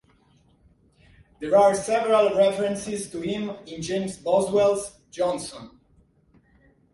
There are several references to him in James Boswell's "Johnson".